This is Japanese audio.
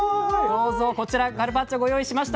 どうぞこちらカルパッチョご用意しました。